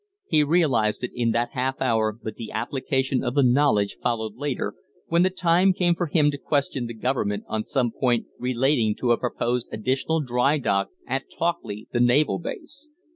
He realized it in that half hour, but the application of the knowledge followed later, when the time came for him to question the government on some point relating to a proposed additional dry dock at Talkley, the naval base.